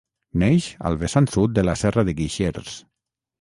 Neix al vessant sud de la Serra de Guixers.